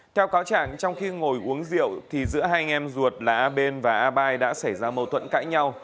theo cáo chẳng trong khi ngồi uống rượu giữa hai anh em ruột là a ben và a bai đã xảy ra mâu thuẫn cãi nhau